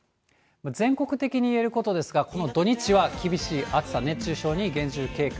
全国的に言えることですが、この土日は、厳しい暑さ、熱中症に厳重警戒。